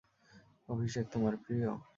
অভিষেক তোমার প্রিয়?